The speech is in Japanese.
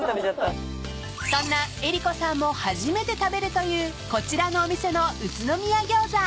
［そんな江里子さんも初めて食べるというこちらのお店の宇都宮餃子］